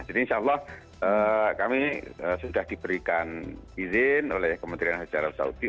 jadi insya allah kami sudah diberikan izin oleh kementerian ziarah saudi